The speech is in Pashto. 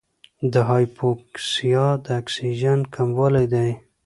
د هایپوکسیا د اکسیجن کموالی دی.